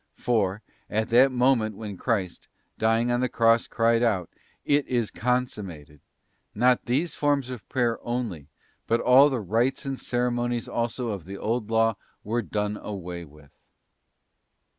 For at that moment when Christ, dying on the cross cried out, 'it is consummated,'* not these forms of prayer only, but all the rites and ceremonies also of the Old Law were done away with.